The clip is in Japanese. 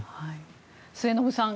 末延さん